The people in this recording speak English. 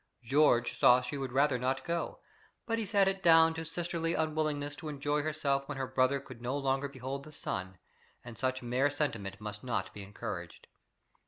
George saw she would rather not go, but he set it down to a sisterly unwillingness to enjoy herself when her brother could no longer behold the sun, and such mere sentiment must not be encouraged.